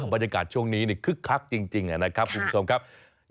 บรรยากาศช่วงนี้คึกคักจริงนะครับคุณผู้ชมครับ